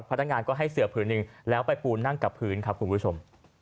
พนักงานก็ให้เสือผืนหนึ่งแล้วไปปูนั่งกับพื้นครับคุณผู้ชม